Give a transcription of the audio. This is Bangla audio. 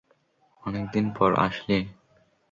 অনেক দিন পড় আসলি।